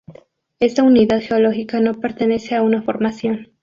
Esta unidad geológica no pertenece a una formación.